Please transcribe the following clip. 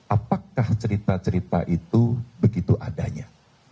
apakah cerita cerita itu begitu adanya